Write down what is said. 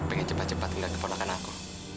pengen cepat cepat nggak keponakan aku